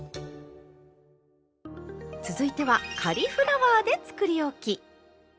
続いてはカリフラワーでつくりおき。